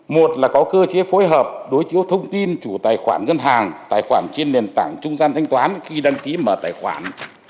một là có cơ chế phối hợp đối chiếu thông tin chủ tài khoản ngân hàng tài khoản trên nền tảng trung gian thanh toán khi đăng ký mở tài khoản